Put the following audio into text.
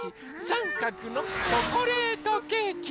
さんかくのチョコレートケーキ。